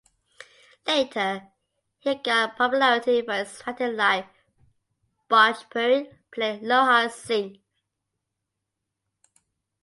Later he got popularity for his writing like Bhojpuri play Loha Singh.